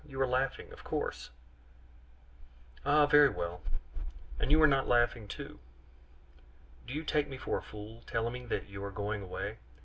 you are laughing, of course?" "Oh, very well; and are you not laughing too? Do you take me for a fool, telling me that you are going away?